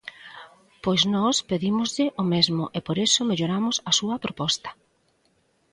Pois nós pedímoslle o mesmo e por iso melloramos a súa proposta.